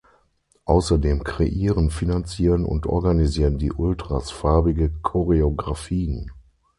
Außerdem kreieren, finanzieren und organisieren die Ultras farbige Choreographien.